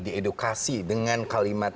diedukasi dengan kalimat